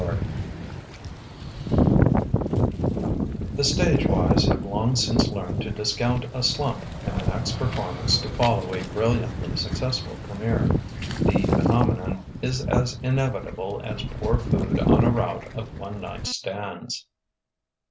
XXV The stage wise have long since learned to discount a "slump" in the next performance to follow a brilliantly successful première: the phenomenon is as inevitable as poor food on a route of one night stands.